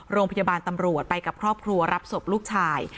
โรงพยาบาลตำรวจไปกับครอบครัวรับศพลูกชาย